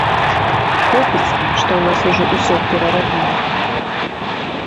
Хопіць, што ў нас ужо ўсё перарабілі.